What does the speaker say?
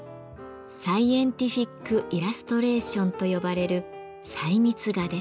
「サイエンティフィックイラストレーション」と呼ばれる細密画です。